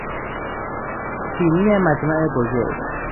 سینی مجمع بزرگ